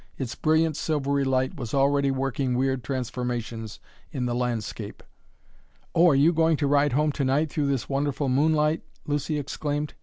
Its brilliant silvery light was already working weird transformations in the landscape. "Oh, are you going to ride home to night, through this wonderful moonlight!" Lucy exclaimed.